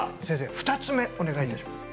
２つ目お願いいたします